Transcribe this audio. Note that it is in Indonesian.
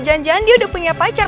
jangan jangan dia udah punya pacar